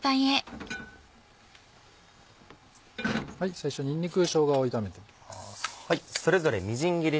最初にんにくしょうがを炒めていきます。